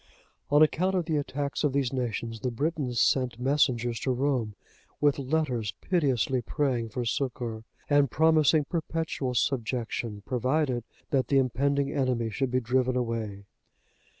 On account of the attacks of these nations, the Britons sent messengers to Rome with letters piteously praying for succour, and promising perpetual subjection, provided that the impending enemy should be driven away.